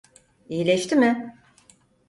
İyileşti mi?